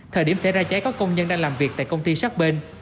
thời điểm xảy ra cháy có công nhân đang làm việc tại công ty sát bên